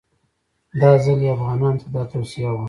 دا ځل یې افغانانو ته دا توصیه وه.